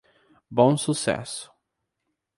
Bom Sucesso